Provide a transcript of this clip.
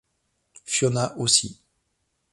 Fiona aussi.